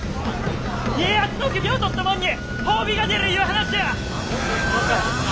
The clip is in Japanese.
家康の首を取ったもんに褒美が出るいう話や！